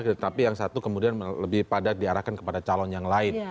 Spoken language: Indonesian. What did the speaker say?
tetapi yang satu kemudian lebih padat diarahkan kepada calon yang lain